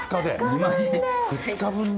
２日分で？